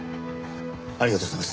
ありがとうございます。